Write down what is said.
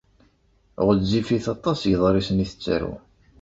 Ɣezzifit aṭas yeḍrisen i tettaru.